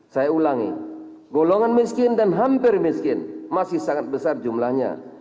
saya ulangi golongan miskin dan hampir miskin masih sangat besar jumlahnya